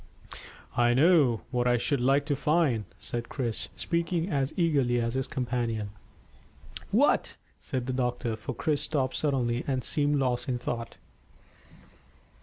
"I know what I should like to find," said Chris, speaking as eagerly as his companion. "What?" said the doctor, for Chris stopped suddenly, and seemed lost in thought.